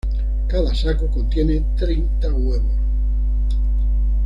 Cada saco contiene treinta huevos.